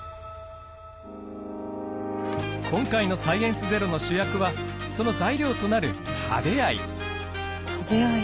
今回の「サイエンスＺＥＲＯ」の主役はその材料となるタデアイ。